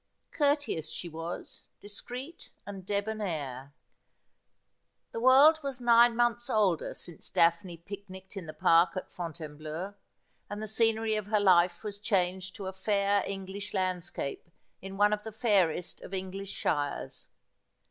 CUETEIS SHE VSTAS, DISCRETE, AND DEBONAIRE.' The world was nine months older since Daphne picnicked in the park at Fontainebleau, and the scenery of her life was changed to a fair English landscape in one of the fairest of English shires.